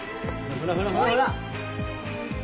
ほらほらほらほら。